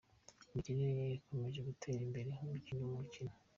Imikinire ye ikomeje gutera imbere umukino ku mukino".